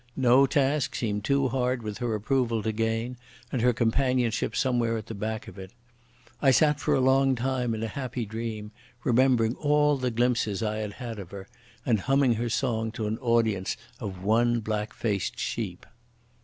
No task seemed too hard with her approval to gain and her companionship somewhere at the back of it. I sat for a long time in a happy dream, remembering all the glimpses I had had of her, and humming her song to an audience of one black faced sheep.